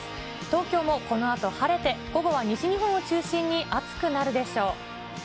東京もこのあと晴れて、午後は西日本を中心に暑くなるでしょう。